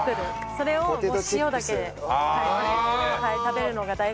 それを塩だけで食べるのが大好きです。